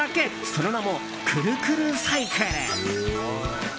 その名も、くるくるサイクル。